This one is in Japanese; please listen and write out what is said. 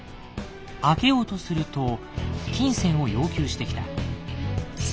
開けようとすると金銭を要求してきた。